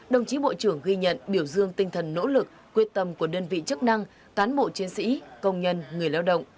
đồng chí bộ trưởng ghi nhận biểu dương tinh thần nỗ lực quyết tâm của đơn vị chức năng cán bộ chiến sĩ công nhân người lao động